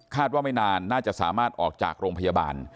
ว่าไม่นานน่าจะสามารถออกจากโรงพยาบาล